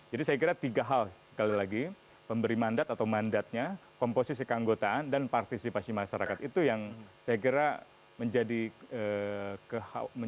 jadi saya kira tiga hal sekali lagi pemberi mandat atau mandatnya komposisi keanggotaan dan partisipasi masyarakat itu yang saya kira menjadi titik kritik